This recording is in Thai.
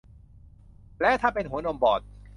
และถ้าเป็นหัวนมบอด